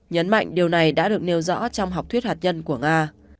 nhấn mạnh điều này đã được nêu rõ trong học thuyết hạt nhân của nga